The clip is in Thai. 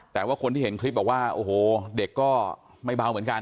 แต่ว่าคนที่เห็นคลิปบอกว่าโอ้โหเด็กก็ไม่เบาเหมือนกัน